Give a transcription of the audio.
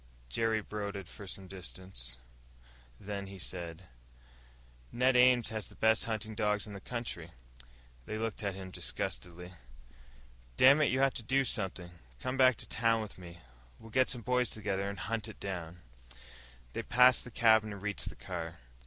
Jerry brooded for some distance, then he said, "Ned Ames has the best hunting dogs in the country." They looked at him disgustedly. "Dammit, you have to do something! Come back to town with me. We'll get some of the boys together, and hunt it down." They had passed the cabin and reached the car.